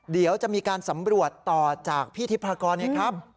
เดี๋ยวจะมีการสำรวจต่อจากพี่ทิพากรไงครับ